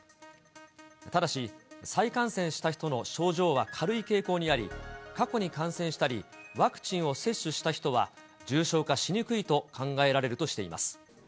ただし、再感染した人の症状は軽い傾向にあり、過去に感染したり、ワクチンを接種した人は、重症化しにくいと考えられるとしています。